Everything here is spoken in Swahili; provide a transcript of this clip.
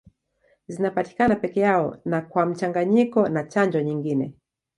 Zinapatikana peke yao na kwa mchanganyiko na chanjo nyingine.